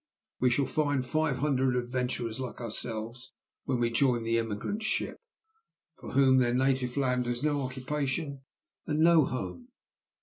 We shall find five hundred adventurers like ourselves when we join the emigrant ship, for whom their native land has no occupation and no home.